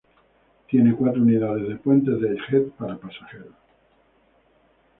Tiene cuatro unidades de puentes de jet para pasajeros.